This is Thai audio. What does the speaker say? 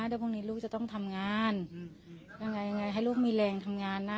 เดี๋ยวพรุ่งนี้ลูกจะต้องทำงานยังไงยังไงให้ลูกมีแรงทำงานนะ